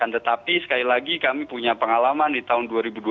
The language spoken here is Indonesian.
tetapi sekali lagi kami punya pengalaman di tahun dua ribu dua puluh